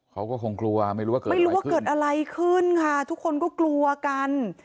เขาก็คงครัวไม่รู้ว่าเกิดอะไรขึ้นค่ะทุกคนก็กลัวกัน